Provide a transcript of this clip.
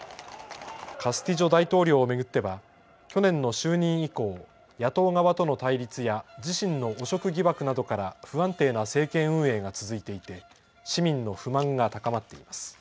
カスティジョ大統領を巡っては去年の就任以降、野党側との対立や自身の汚職疑惑などから不安定な政権運営が続いていて市民の不満が高まっています。